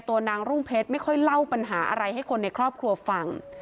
ตัวนางรุ่งเพชรไม่ค่อยเล่าปัญหาอะไรให้คนในครอบครัวฟัง